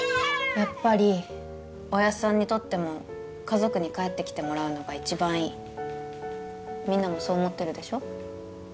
やっぱりおやっさんにとっても家族に帰ってきてもらうのが一番いいみんなもそう思ってるでしょ？